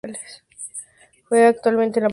Juega actualmente en la Primera Catalana.